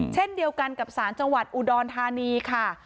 เช่นเดียวกันกับสารจังหวัดอุดรธานีค่ะ